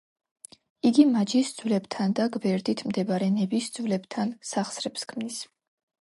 იგი მაჯის ძვლებთან და გვერდით მდებარე ნების ძვლებთან სახსრებს ქმნის.